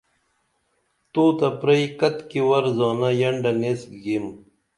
تو تہ پرئی کتِکی ور زانہ ینڈن ایس گِگیم